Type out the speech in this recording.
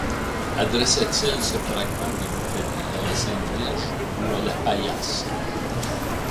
Adressait-il ce fragment de litanie à la sainte Vierge ou à la paillasse?